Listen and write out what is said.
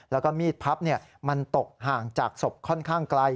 แล้วก็มีดพับมันตกห่างจากศพค่อนข้างไกล